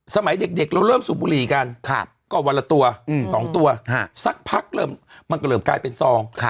สมัยเด็กเราเริ่มสูบบุหรี่กันก็วันละตัว๒ตัวสักพักเริ่มมันก็เริ่มกลายเป็นซอง